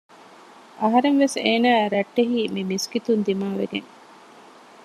އަހަރެން ވެސް އޭނާއާއި ރައްޓެހީ މި މިސްކިތުން ދިމާ ވެގެން